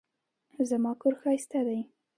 زما کور ښايسته دی